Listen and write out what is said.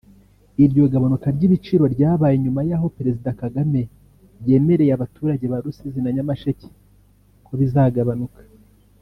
Iryo gabanuka ry’ibiciro ryabaye nyuma y’aho Perezida Kagame yemereye abaturage ba Rusizi na Nyamasheke ko bizagabanuka